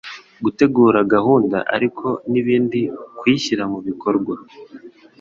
Gutegura gahunda ariko nibindi kuyishyira mubikorwa